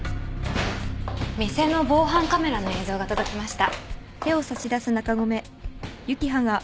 店の防犯カメラの映像が届きました。